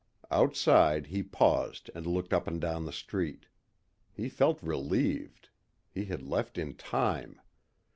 Outside he paused and looked up and down the street. He felt relieved. He had left in time.